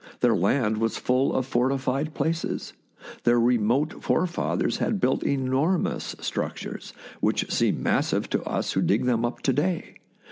Their land was full of fortified places, their remote forefathers had built enormous structures, which seem massive to us who dig them up to day.